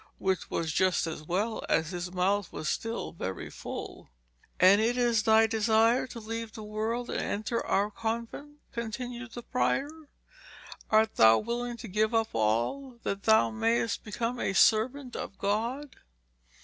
Which was just as well, as his mouth was still very full. 'And it is thy desire to leave the world, and enter our convent?' continued the prior. 'Art thou willing to give up all, that thou mayest become a servant of God?'